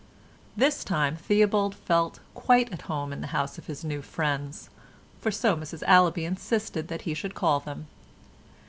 This time Theobald felt quite at home in the house of his new friends—for so Mrs Allaby insisted that he should call them.